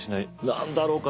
何だろうか。